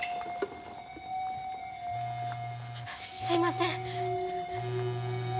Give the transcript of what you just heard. すいません。